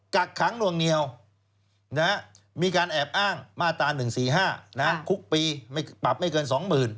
กักขังนวงเหนียวมีการแอบอ้างมาตรา๑๔๕คุกปีปรับไม่เกิน๒๐๐๐